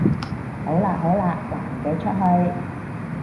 好喇好喇，男嘅出去